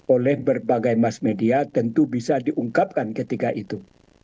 oleh berbagai mass media tentu bisa diungkapkan ketika itu